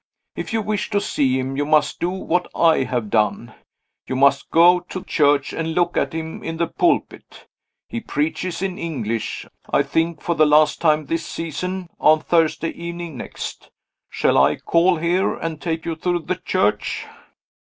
If you wish to see him, you must do what I have done you must go to church and look at him in the pulpit. He preaches in English I think for the last time this season on Thursday evening next. Shall I call here and take you to the church?"